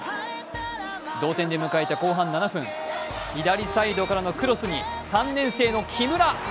同点で迎えた後半７分、左サイドからのクロスに３年生の木村！